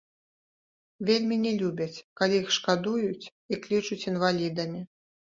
Вельмі не любяць, калі іх шкадуюць і клічуць інвалідамі.